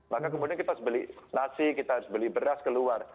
maka kemudian kita harus beli nasi kita harus beli beras keluar